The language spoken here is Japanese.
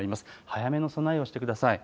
早めの備えをしてください。